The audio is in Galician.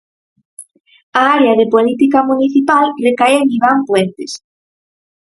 A área de Política Municipal recae en Iván Puentes.